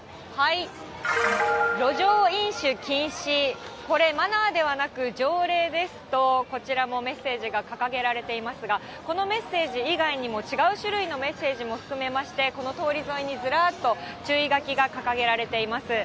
路上飲酒禁止、これ、マナーではなく、条例ですと、こちらもメッセージが掲げられていますが、このメッセージ以外にも違う種類のメッセージも含めまして、この通り沿いにずらっと注意書きが掲げられています。